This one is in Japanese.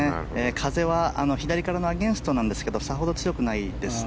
風は左からのアゲンストなんですけどさほど強くないですね。